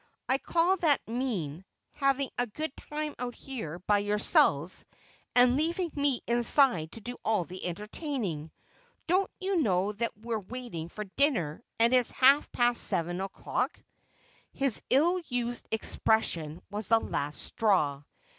I call that mean, having a good time out here by yourselves, and leaving me inside to do all the entertaining. Don't you know that we're waiting for dinner, and it's after half past seven o'clock?" His ill used expression was the last straw.